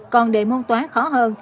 còn đề môn toán khó hơn